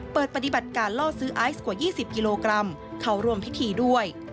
ปฏิบัติการล่อซื้อไอซ์กว่า๒๐กิโลกรัมเข้าร่วมพิธีด้วย